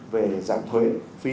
về giảm thuế phí